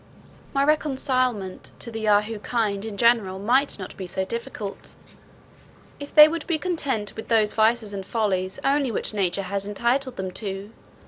My reconcilement to the Yahoo kind in general might not be so difficult, if they would be content with those vices and follies only which nature has entitled them to.